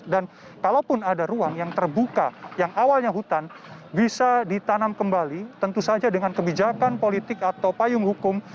dan kalaupun ada ruang yang terbuka yang awalnya hutan bisa ditanam kembali tentu saja dengan kebijakan politik atau payung hukum